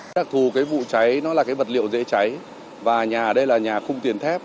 đặc thù cái vụ cháy nó là cái vật liệu dễ cháy và nhà ở đây là nhà cung tiền thép